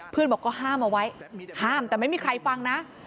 บอกก็ห้ามเอาไว้ห้ามแต่ไม่มีใครฟังนะ